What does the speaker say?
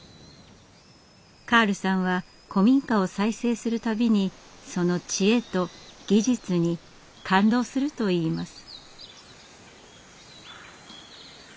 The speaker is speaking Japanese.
カールさんは古民家を再生する度にその知恵と技術に感動するといいます。